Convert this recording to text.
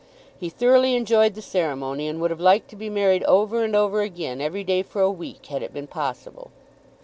He thoroughly enjoyed the ceremony, and would have liked to be married over and over again, every day for a week, had it been possible.